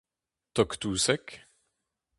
Tog-touseg.